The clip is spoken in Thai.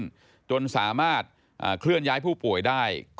พบหน้าลูกแบบเป็นร่างไร้วิญญาณ